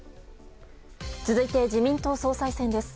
続いて自民党総裁選です。